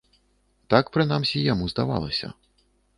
Так, прынамсі, яму здавалася.